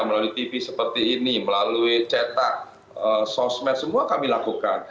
melalui tv seperti ini melalui cetak sosmed semua kami lakukan